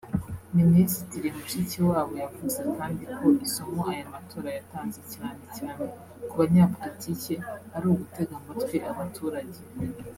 Minisitiri Mushikiwabo yavuze kandi ko isomo aya matora yatanze cyane cyane ku banyapolitike ari ugutega amatwi abaturage